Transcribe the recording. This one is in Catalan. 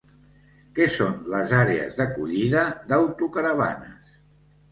Què són les àrees d'acollida d'autocaravanes?